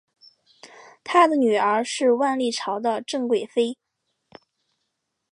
他的女儿是万历朝的郑贵妃。